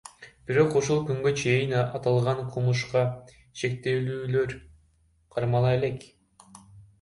Бирок ушул күнгө чейин аталган кылмышка шектүүлөр кармала элек.